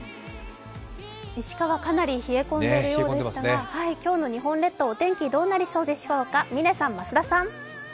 石川、かなり冷え込んでいるようですが、今日の日本列島、お天気どうなりそうでしょうか。